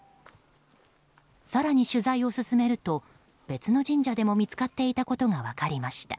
更に取材を進めると別の神社でも見つかっていたことが分かりました。